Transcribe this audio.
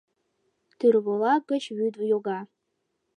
Тӱрволак гыч вӱд йога.